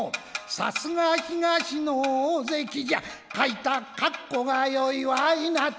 さすが東の大関じゃ書いた格好が良いわいなって